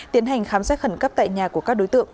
tiến hành khám xét khẩn cấp tại nhà của các đối tượng